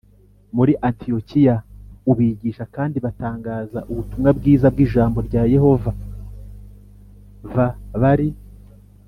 muri Antiyokiya u bigisha kandi batangaza ubutumwa bwiza bw ijambo rya Yehova v bari